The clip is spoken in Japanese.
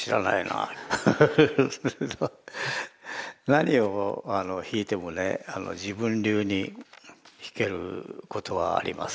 何を弾いてもね自分流に弾けることはあります。